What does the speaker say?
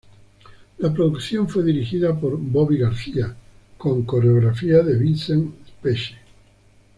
La producción fue dirigida por Bobby García, con coreografía de Vince Pesce.